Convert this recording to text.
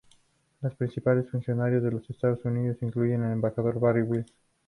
Los principales funcionarios de los Estados Unidos incluyen a Embajador Barry Wells.